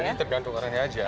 iya jadi tergantung orangnya aja